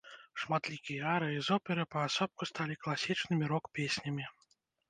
Шматлікія арыі з оперы паасобку сталі класічнымі рок-песнямі.